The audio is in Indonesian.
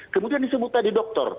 kemudian disebut tadi dokter